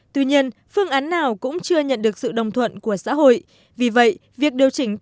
tuy nhiên phương án nào cũng chưa nhận được sự đồng thuận của xã hội